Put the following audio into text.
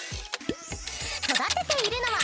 ［育てているのは］